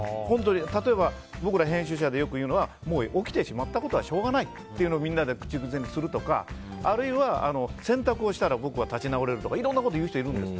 例えば、僕ら編集者でよく言うのはもう起きてしまったことはしょうがないっていうのをみんなで口癖にするとかあるいは、洗濯をしたら僕は立ち直れるとかいろんなことを言う人がいるんです。